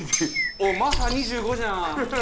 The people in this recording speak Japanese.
おっ麻波２５じゃん。